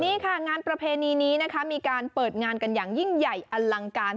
นี่ค่ะงานประเพณีนี้นะคะมีการเปิดงานกันอย่างยิ่งใหญ่อลังการ